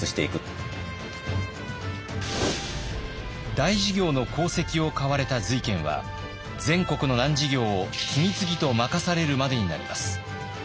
大事業の功績を買われた瑞賢は全国の難事業を次々と任されるまでになります。